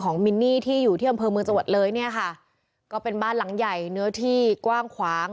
มินนี่ที่อยู่ที่อำเภอเมืองจังหวัดเลยเนี่ยค่ะก็เป็นบ้านหลังใหญ่เนื้อที่กว้างขวาง